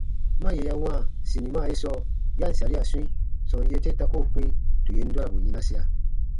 Ma yè ya wãa sinima ye sɔɔ ya ǹ saria swĩi, sɔm yee te ta koo kpĩ tù yen dɔrabu yinasia.